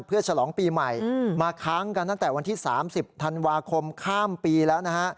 เพื่อฉลองปีใหม่มาค้างกันตั้งแต่วันที่๓๐ธันวาคมข้ามปีแล้วนะฮะ